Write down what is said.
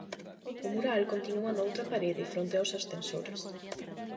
O mural continúa noutra parede, fronte aos ascensores.